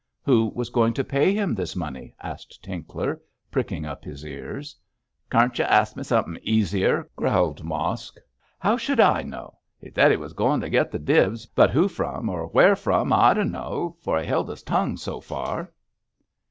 'Who was going to pay him this money?' asked Tinkler, pricking up his ears. 'Carn't y'arsk me somethin' easier?' growled Mosk; 'how should I know? He said he was goin' to get the dibs, but who from, or where from, I dunno', for he held his tongue so far.'